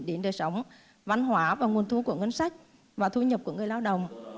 đến đời sống văn hóa và nguồn thu của ngân sách và thu nhập của người lao động